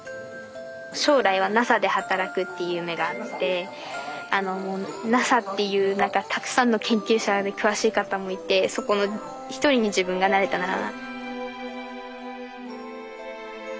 将来はＮＡＳＡで働くっていう夢があってＮＡＳＡっていうたくさんの研究者で詳しい方もいてそこの一人に自分がなれたらなって。